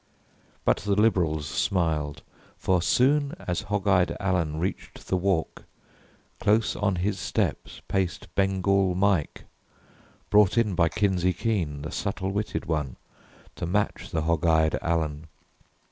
But the liberals smiled. For soon as hog eyed Allen reached the walk, Close on his steps paced Bengal Mike, brought in By Kinsey Keene, the subtle witted one, To match the hog eyed Allen.